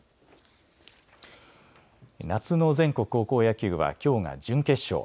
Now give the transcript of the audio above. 夏の全国高校野球はきょうが準決勝。